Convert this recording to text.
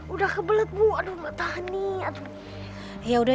udah kebelet bu aduh enggak tahan nih